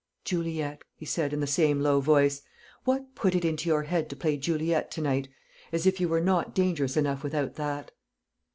"Juliet!" he said, in the same low voice, "what put it into your head to play Juliet to night? As if you were not dangerous enough without that."